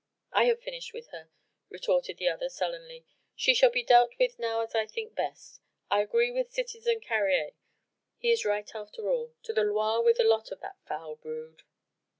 "I have finished with her," retorted the other sullenly. "She shall be dealt with now as I think best. I agree with citizen Carrier. He is right after all. To the Loire with the lot of that foul brood!"